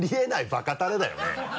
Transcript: バカタレだよね。